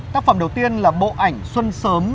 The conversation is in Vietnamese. tác phẩm đầu tiên là bộ ảnh xuân sớm